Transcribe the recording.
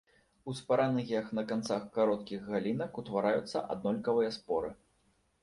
У спарангіях на канцах кароткіх галінак утвараюцца аднолькавыя споры.